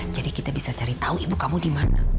jadi kita bisa mencari tahu ibu kamu di mana